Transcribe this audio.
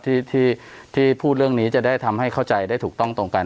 ที่พูดเรื่องนี้จะได้ทำให้เข้าใจได้ถูกต้องตรงกัน